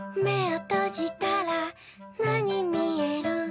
「めをとじたらなにみえる？」